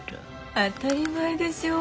当たり前でしょ。